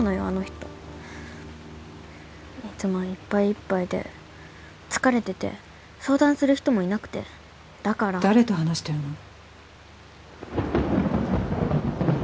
あの人いつもいっぱいいっぱいで疲れてて相談する人もいなくてだから誰と話してるの？